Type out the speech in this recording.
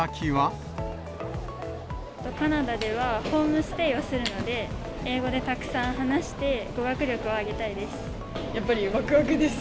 カナダでは、ホームステイをするので、英語でたくさん話して、語学力を上げたいです。